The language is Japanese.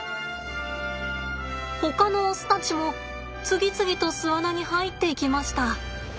ほかのオスたちも次々と巣穴に入っていきました。